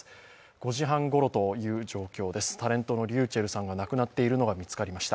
５時半ごろという状況です、タレントのｒｙｕｃｈｅｌｌさんが亡くなっているのが見つかりました。